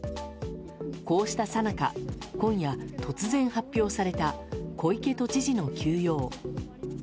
こうしたさなか今夜、突然発表された小池都知事の休養。